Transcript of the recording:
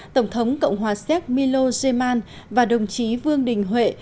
tổng thống cộng hòa xéc milo geman và đồng chí vương đình huệ